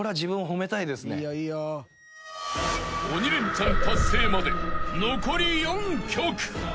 ［鬼レンチャン達成まで残り４曲］